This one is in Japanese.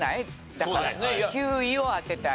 だから９位を当てたい！